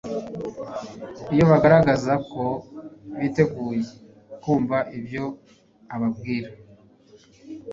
Iyo bagaragaza ko biteguye kumva ibyo ababwira,